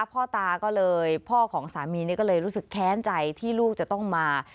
พ่อตาก็เลยพ่อของสามีนี่ก็เลยรู้สึกแค้นใจที่ลูกจะต้องมา